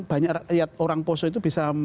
banyak rakyat orang poso itu bisa